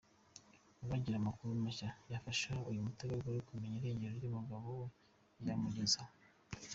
Uwagira amakuru mashya yafasha uyu mutegarugori kumenya irengero ry’umugabo we yayamugezaho